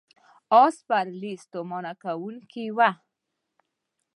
آس سپرلي ستومانه کوونکې وه.